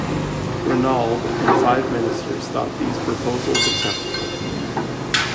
Reynaud and five ministers thought these proposals acceptable.